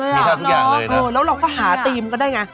มืหือมืหุ้กยางเลยอะเราเราก็หาเทมก็ได้ไง